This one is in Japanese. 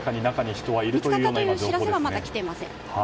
見つかったという知らせはまだ来ていません。